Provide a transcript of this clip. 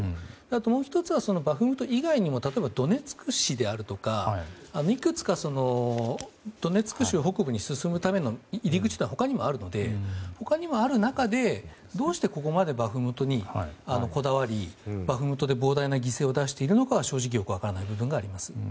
もう１つはバフムト以外にも例えばドネツク市であるとかいくつかドネツク州北部に進むための入り口は他にもあるので他にもある中でどうしてここまでバフムトにこだわりバフムトで膨大な犠牲を出しているのかは正直よく分からない部分があります。